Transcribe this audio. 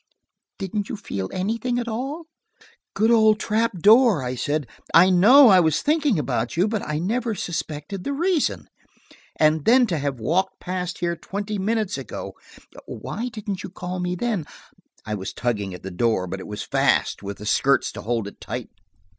Didn't you feel anything at all?" "Good old trap door!" I said. "I know I was thinking about you, but I never suspected the reason. And then to have walked past here twenty minutes ago! Why didn't you call me then?" I was tugging at the door, but it was fast, with the skirts to hold it tight.